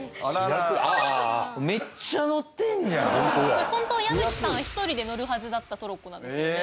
これホントは矢吹さんが１人で乗るはずだったトロッコなんですよね。